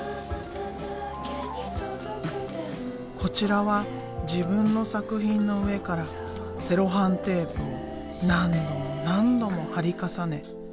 こちらは自分の作品の上からセロハンテープを何度も何度も貼り重ねコラージュしたもの。